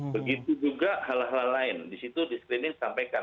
begitu juga hal hal lain disitu di screening disampaikan